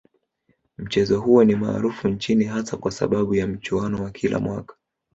Mchezo huo ni maarufu nchini hasa kwa sababu ya mchuano wa kila mwaka